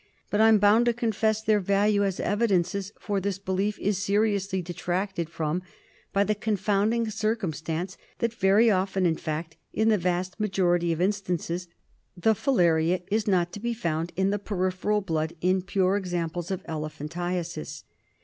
But, I am bound to confess, their value as evidences for this belief is seriously detracted from by the confounding circumstance that very often, in fact in the vast majority of instances, the filaria is not to be found in the peripheral blood in pure examples of elephantiasias.